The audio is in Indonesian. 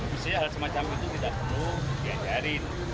misalnya hal semacam itu tidak perlu digadarin